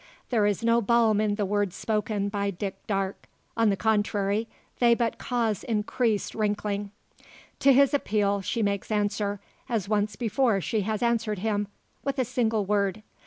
There is no balm in the words spoken by Dick Darke; on the contrary, they but cause increased rankling. To his appeal she makes answer, as once before she has answered him with a single word.